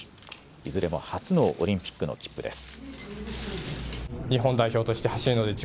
いずれも初のオリンピックの切符です。